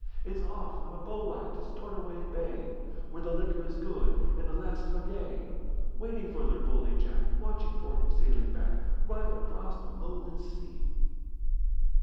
It's off on a bowline to Stornoway Bay, Where the liquor is good and the lasses are gay, Waiting for their bully Jack, Watching for him sailing back, Right across the Lowland Sea.